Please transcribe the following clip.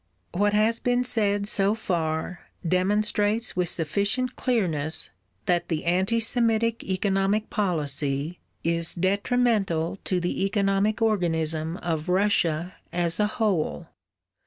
What has been said so far demonstrates with sufficient clearness that the anti Semitic economic policy is detrimental to the economic organism of Russia as a whole.